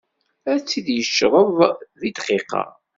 Ad tt-id-yecreḍ di dqiqa.